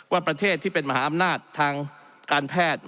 ว่าประเทศที่เป็นมหาอำนาจทางการแพทย์